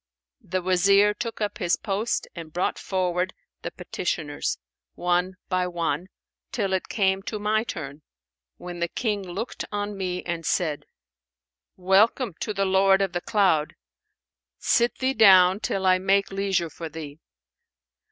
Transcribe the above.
The Wazir took up his post and brought forward the petitioners, one by one, till it came to my turn, when the King looked on me and said, 'Welcome to the 'Lord of the Cloud'! Sit thee down till I make leisure for thee.'